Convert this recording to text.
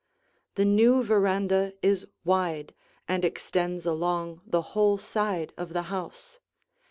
The new veranda is wide and extends along the whole side of the house.